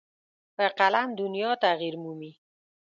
په قلم دنیا تغیر مومي.